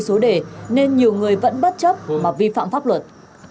số đề nên nhiều người vẫn bất chấp mà vi phạm pháp luật